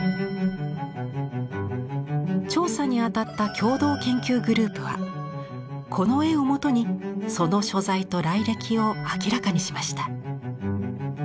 調査に当たった共同研究グループはこの絵をもとにその所在と来歴を明らかにしました。